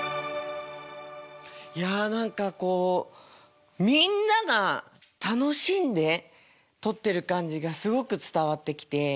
いや何かこうみんなが楽しんで撮ってる感じがすごく伝わってきて。